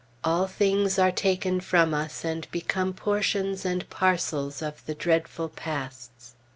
"All things are taken from us, and become portions and parcels of the dreadful pasts."...